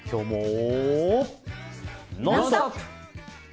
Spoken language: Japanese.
「ノンストップ！」。